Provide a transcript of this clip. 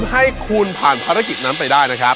ให้คุณผ่านภารกิจนั้นไปได้นะครับ